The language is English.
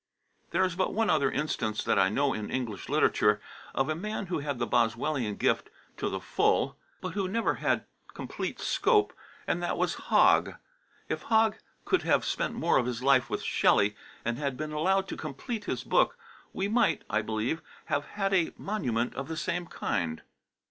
There is but one other instance that I know in English literature of a man who had the Boswellian gift to the full, but who never had complete scope, and that was Hogg. If Hogg could have spent more of his life with Shelley, and had been allowed to complete his book, we might, I believe, have had a monument of the same kind.